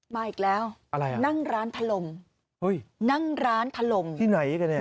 มาอีกแล้วอะไรอ่ะนั่งร้านถล่มเฮ้ยนั่งร้านถล่มที่ไหนกันเนี่ย